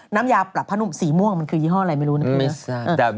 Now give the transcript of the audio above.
น้ำยาปรับผ้านุ่มสีม่วงมันคือยี่ห้ออะไรไม่รู้นะพี่มิส